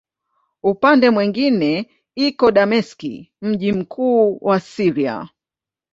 Upande mwingine iko Dameski, mji mkuu wa Syria.